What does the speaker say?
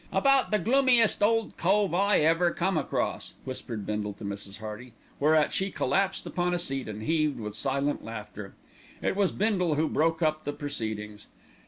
"About the gloomiest ole cove I ever come across," whispered Bindle to Mrs. Hearty, whereat she collapsed upon a seat and heaved with silent laughter. It was Bindle who broke up the proceedings.